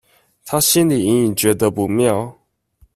她心裡隱隱覺得不妙